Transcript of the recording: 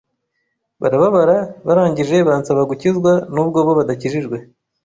barababara barngije bansaba gukizwa nubwo bo badakijijwe